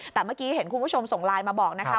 แต่เมื่อกี้เห็นคุณผู้ชมส่งไลน์มาบอกนะคะ